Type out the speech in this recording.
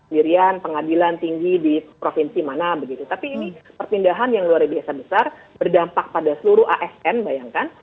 dirian pengadilan tinggi di provinsi mana mana